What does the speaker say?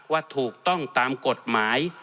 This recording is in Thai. ว่าถูกต้องตามกฎหมาย